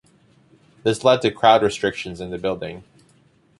This led to crowd restrictions in the building.